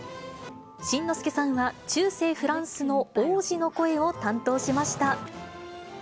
新之助さんは、中世フランスの王子の声を担当しました。